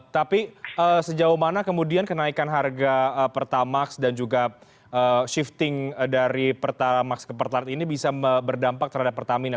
tapi sejauh mana kemudian kenaikan harga pertamax dan juga shifting dari pertamax ke pertalite ini bisa berdampak terhadap pertamina